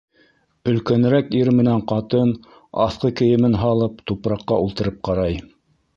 Өлкәнерәк ир менән ҡатын, аҫҡы кейемен һалып, тупраҡҡа ултырып ҡарай.